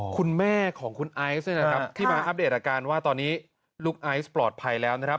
คุณแม่ของคุณไอ้ส์ที่อัพเดทอาการว่าลูกไอ้ส์ปลอดภัยแล้ว